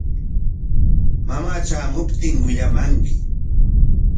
Mamaa tramuptin willamanki.